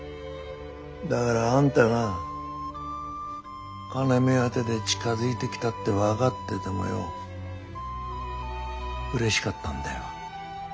だからあんたが金目当てで近づいてきたって分かっててもよううれしかったんだよ。